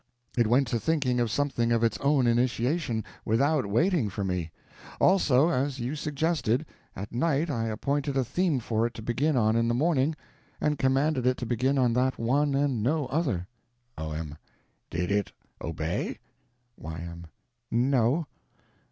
It went to thinking of something of its own initiation, without waiting for me. Also—as you suggested—at night I appointed a theme for it to begin on in the morning, and commanded it to begin on that one and no other. O.M. Did it obey? Y.M. No.